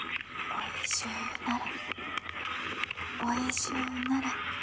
おいしゅうなれ。